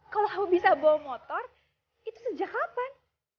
kalau aku bisa bawa motor itu sejak kapan